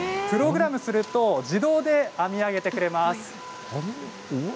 プログラムをすると自動で編み上げてくれます。